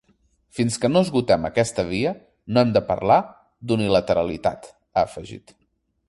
“Fins que no esgotem aquesta via, no hem de parlar d’unilateralitat”, ha afegit.